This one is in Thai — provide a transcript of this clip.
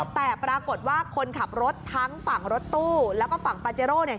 แต่ปรากฏว่าคนขับรถทั้งฝั่งรถตู้แล้วก็ฝั่งปาเจโร่เนี่ย